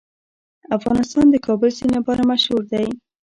افغانستان د د کابل سیند لپاره مشهور دی.